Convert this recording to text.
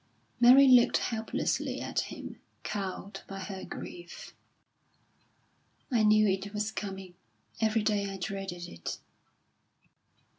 Mary looked helplessly at him, cowed by her grief. "I knew it was coming. Every day I dreaded it."